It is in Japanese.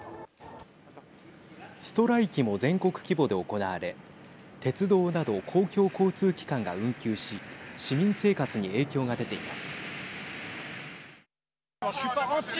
ストライキも全国規模で行われ鉄道など公共交通機関が運休し市民生活に影響が出ています。